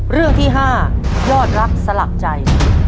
เรื่องที่๕ยอดรักสลักใจ